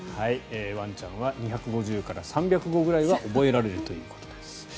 ワンちゃんは２５０から３００語ぐらいは覚えられるということです。